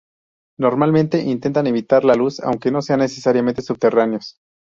Normalmente intentan evitar la luz, aunque no sean necesariamente subterráneos.